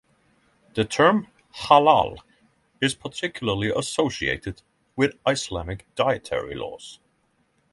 The term "halal" is particularly associated with Islamic dietary laws.